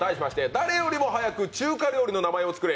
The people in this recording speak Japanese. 誰よりも早く中華料理の名前を作れ！